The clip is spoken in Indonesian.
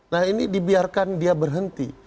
nah ini dibiarkan dia berhenti